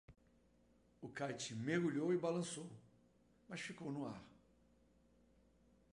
O kite mergulhou e balançou?, mas ficou no ar.